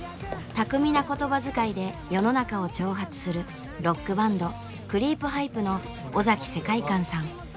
巧みな言葉遣いで世の中を挑発するロックバンドクリープハイプの尾崎世界観さん。